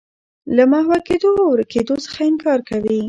له محوه کېدو او ورکېدو څخه انکار کوي.